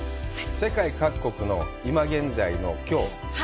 世界各国の今現在の、きょう。